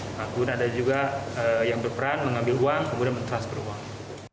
kemudian ada juga yang berperan mengambil uang kemudian men transfer uang